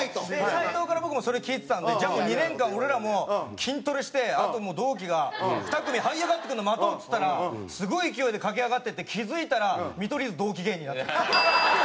斉藤から僕もそれ聞いてたんで「じゃあもう２年間俺らも筋トレしてあともう同期が２組はい上がってくるの待とう」っつったらすごい勢いで駆け上がっていって気付いたら「見取り図同期芸人」になって。